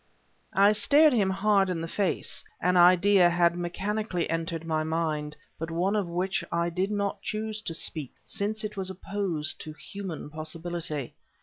I stared him hard in the face; an idea had mechanically entered my mind, but one of which I did not choose to speak, since it was opposed to human possibility.